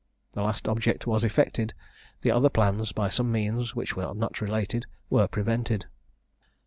The last object was effected; the other plans, by some means, which are not related, were prevented.